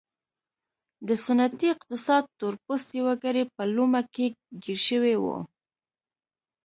د سنتي اقتصاد تور پوستي وګړي په لومه کې ګیر شوي وو.